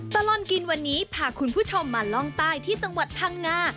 ตลอดกินวันนี้พาคุณผู้ชมมาล่องใต้ที่จังหวัดพังงา